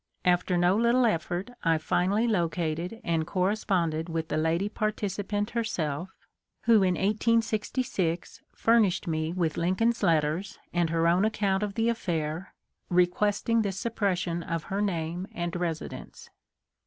After no little effort I finally located and corresponded with the lady participant herself, who in 1866 furnished me with Lincoln's letters and her own account of the affair, requesting the suppres sion of her name and residence.